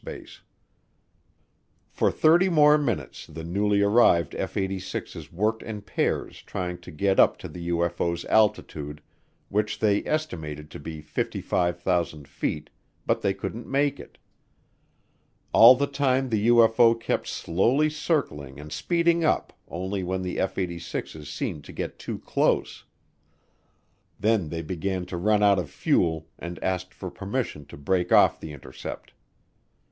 For thirty more minutes the newly arrived F 86's worked in pairs trying to get up to the UFO's altitude, which they estimated to be 55,000 feet, but they couldn't make it. All the time the UFO kept slowly circling and speeding up only when the F 86's seemed to get too close. Then they began to run out of fuel and asked for permission to break off the intercept.